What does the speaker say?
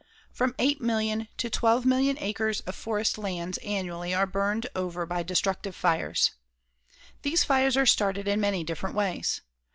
From 8,000,000 to 12,000,000 acres of forest lands annually are burned over by destructive fires. These fires are started in many different ways.